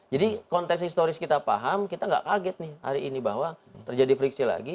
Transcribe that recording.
jadi konteks historis kita paham kita gak kaget nih hari ini bahwa terjadi friksi lagi